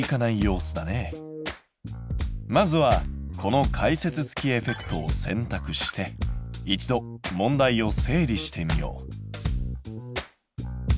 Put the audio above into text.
まずはこの解説付きエフェクトを選択して一度問題を整理してみよう。